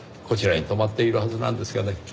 こちらに泊まっているはずなんですがね。